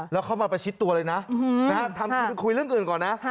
แล้วเข้ามาประชิดตัวเลยนะทำทีไปคุยเรื่องอื่นก่อนนะ